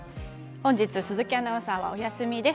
本日、鈴木アナウンサーはお休みです。